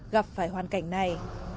gặp phải hoàn cảnh này